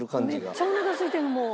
めっちゃおなかすいてるもう。